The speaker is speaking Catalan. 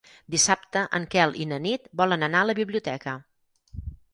Dissabte en Quel i na Nit volen anar a la biblioteca.